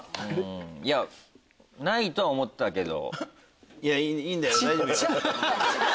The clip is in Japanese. いやないとは思ったけど。